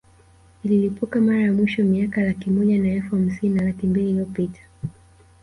Ililipuka mara ya mwisho miaka laki moja na elfu hamsini na laki mbili iliyopita